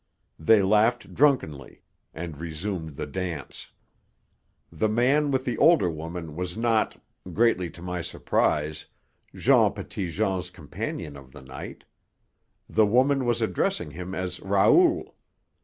They laughed drunkenly and resumed the dance. The man with the older woman was not greatly to my surprise Jean Petitjean's companion of the night. The woman was addressing him as Raoul.